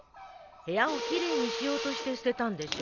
部屋を奇麗にしようとして捨てたんでしょ？